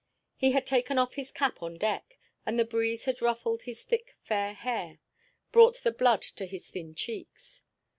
He had taken off his cap on deck, and the breeze had ruffled his thick fair hair, brought the blood to his thin cheeks.